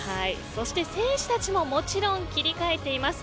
そして選手たちももちろん切り替えています。